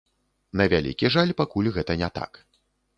На вялікі жаль, пакуль гэта не так.